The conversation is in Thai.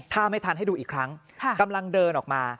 ถ้าไม่ทันให้ดูอีกครั้งกำลังเดินออกมา